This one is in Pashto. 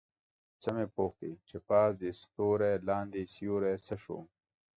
څه مې پوښتې چې پاس دې ستوری لاندې سیوری څه شو؟